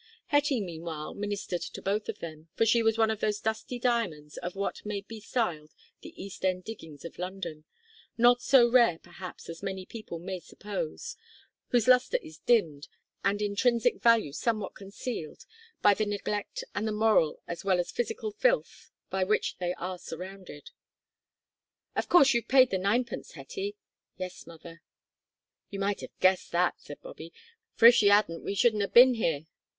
Hetty, meanwhile, ministered to them both, for she was one of those dusty diamonds of what may be styled the East end diggings of London not so rare, perhaps, as many people may suppose whose lustre is dimmed and intrinsic value somewhat concealed by the neglect and the moral as well as physical filth by which they are surrounded. "Of course you've paid the ninepence, Hetty?" "Yes, mother." "You might 'ave guessed that," said Bobby, "for, if she 'adn't we shouldn't 'ave bin here."